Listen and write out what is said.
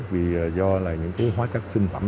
vì do là những cái hóa chất sinh phẩm